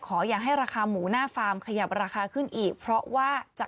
อย่าให้ราคาหมูหน้าฟาร์มขยับราคาขึ้นอีกเพราะว่าจะ